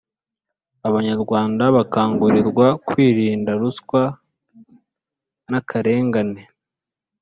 abanyarwanda bakangurirwa kwirinda ruswa n’akarengane.